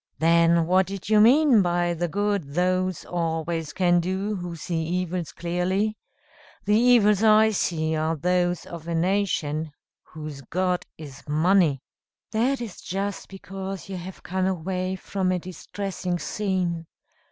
"Then what did you mean by the good those always can do who see evils clearly? The evils I see are those of a nation whose god is money." "That is just because you have come away from a distressing scene.